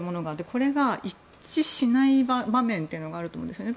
これが一致しない場面というのがあると思うんですね。